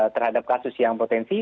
terhadap kasus yang potensi